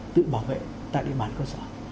tự bảo vệ tại địa bàn cơ sở